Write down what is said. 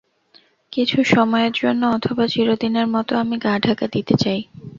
কিছু সময়ের জন্য অথবা চিরদিনের মত আমি গা-ঢাকা দিতে চাই।